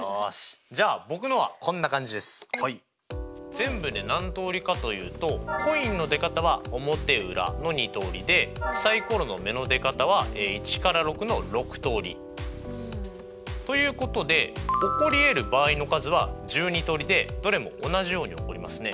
全部で何通りかと言うとコインの出方は表裏の２通りでサイコロの目の出方は１から６の６通り。ということで起こりえる場合の数は１２通りでどれも同じように起こりますね。